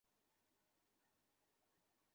আমরা তাকে পেয়েছি।